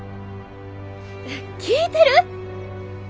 聞いてる？